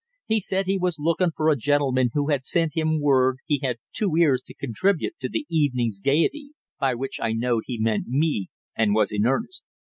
He said he was looking for a gentleman who had sent him word he had two ears to contribute to the evening's gaiety, by which I knowed he meant me and was in earnest.